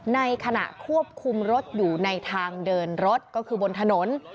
ในขณะควบคุมรถอยู่ในทางเดินรถก็คือบนถนน